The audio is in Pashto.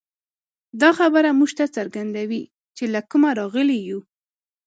دا خبره موږ ته څرګندوي، چې له کومه راغلي یو.